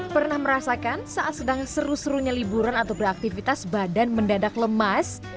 pernah merasakan saat sedang seru serunya liburan atau beraktivitas badan mendadak lemas